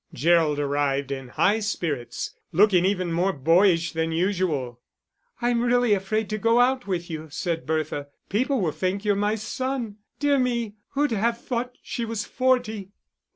Gerald arrived in high spirits, looking even more boyish than usual. "I'm really afraid to go out with you," said Bertha. "People will think you're my son. 'Dear me, who'd have thought she was forty!